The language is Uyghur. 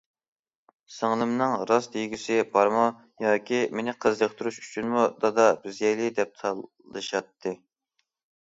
سىڭلىمنىڭ راست يېگۈسى بارمۇ ياكى مېنى قىزىقتۇرۇش ئۈچۈنمۇ« دادا بىز يەيلى» دەپ تالىشاتتى.